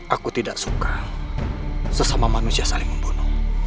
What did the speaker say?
aku tidak suka sesama manusia saling membunuh